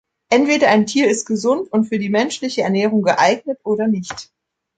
Entweder ein Tier ist gesund und für die menschliche Ernährung geeignet oder nicht.